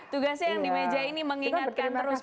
tugasnya yang di meja ini mengingatkan terus